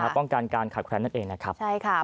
ป้องกันการขาดแคลนนั่นเองนะครับ